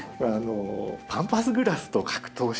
パンパスグラスと格闘していた。